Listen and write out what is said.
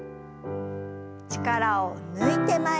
力を抜いて前に。